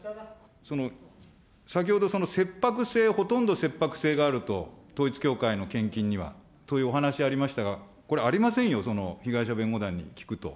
先ほど、切迫性、ほとんど切迫性があると、統一教会の献金には、というお話ありましたが、これ、ありませんよ、被害者弁護団に聞くと。